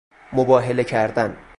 مباهله کردن